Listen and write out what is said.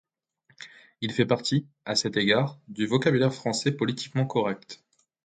Il fait partie, à cet égard, du vocabulaire français politiquement correct.